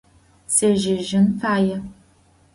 Сежьэжьын фае.